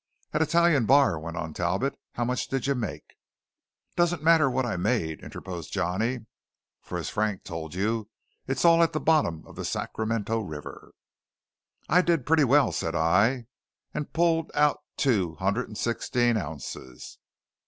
"At Italian Bar," went on Talbot, "how much did you make?" "Doesn't matter what I made," interposed Johnny, "for, as Frank told you, it's all at the bottom of the Sacramento River." "I did pretty well," said I, and pulled out two hundred and sixteen ounces.